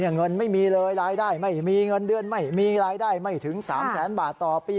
เงินไม่มีเลยรายได้ไม่มีเงินเดือนไม่มีรายได้ไม่ถึง๓แสนบาทต่อปี